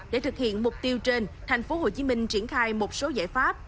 để thực hiện mục tiêu trên thành phố hồ chí minh triển khai một số giải pháp